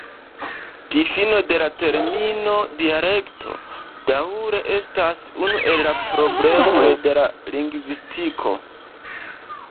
Difino de la termino "dialekto" daŭre estas unu el la problemoj de lingvistiko.